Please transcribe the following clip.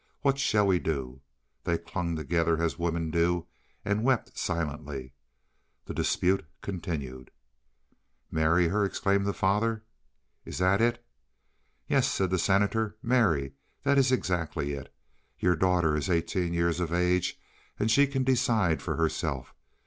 What shall we do?" They clung together, as women do, and wept silently. The dispute continued. "Marry, eh," exclaimed the father. "Is that it?" "Yes," said the Senator, "marry, that is exactly it. Your daughter is eighteen years of age and can decide for herself.